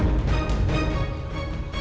gak becus banget jadi